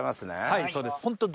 はいそうです。